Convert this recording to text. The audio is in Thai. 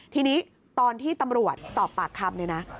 ทีนี้ตอนที่ตำรวจสอบปากคำเนี่ยนะ